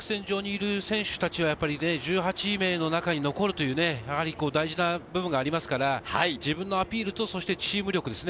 １０日当確線上にいる選手たちが１８名の中に残るという大事な部分がありますから、自分のアピールと、チーム力ですね。